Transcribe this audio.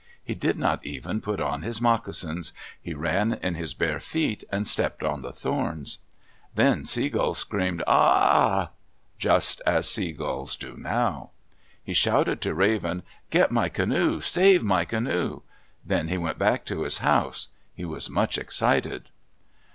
He did not even put on his moccasins; he ran in his bare feet and stepped on the thorns. Then Sea Gull screamed, "Ah ah!" just as sea gulls do now. He shouted to Raven, "Get my canoe! Save my canoe!" Then he went back to his house. He was much excited.